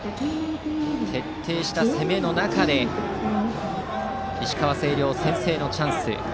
徹底した攻めの中で石川の星稜、先制のチャンス。